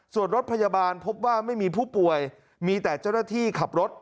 ส่วนรถพยาบาลพบว่าไม่มีผู้ป่วยมีแต่เจ้าหน้าที่ขับรถ